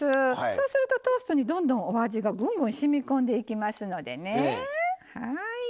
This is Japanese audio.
そうするとトーストにお味が、ぐんぐんしみこんでいきますのでね。